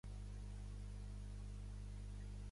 El nom de la planta en noongar és koolah.